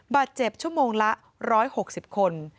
บาดเจ็บชั่วโมงละ๑๖๐คน